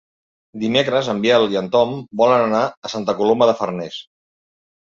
Dimecres en Biel i en Tom volen anar a Santa Coloma de Farners.